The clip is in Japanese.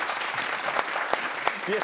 いや